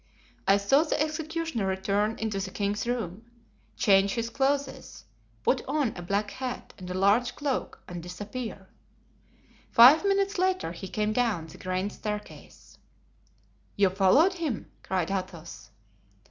I saw the executioner return into the king's room, change his clothes, put on a black hat and a large cloak and disappear. Five minutes later he came down the grand staircase." "You followed him?" cried Athos.